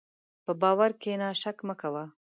په باور کښېنه، شک مه کوه.